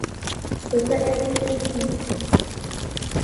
وَسَأَلَ يَزِيدَ